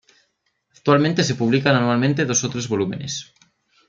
Actualmente, se publican anualmente, dos o tres volúmenes.